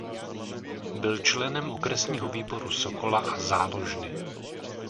Byl členem okresního výboru Sokola a záložny.